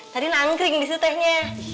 tadi nangkring di situ tehnya